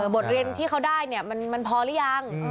บทเรียนที่เขาได้เนี่ยมันพอหรือยัง